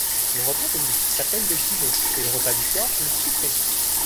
Le repas de midi s'appelle le dîner et le repas du soir le souper.